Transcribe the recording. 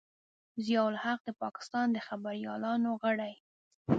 ضیا الحق د پاکستان د خبریالانو غړی.